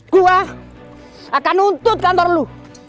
gua akan nuntut kantor lo